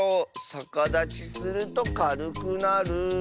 さかだちするとかるくなる。